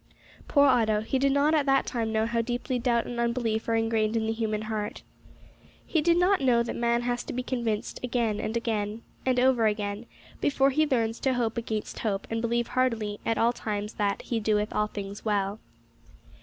Poor Otto! He did not at that time know how deeply doubt and unbelief are ingrained in the human heart. He did not know that man has to be convinced again and again, and over again, before he learns to hope against hope, and to believe heartily at all times that, "He doeth all things well."